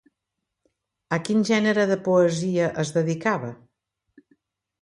A quin gènere de poesia es dedicava?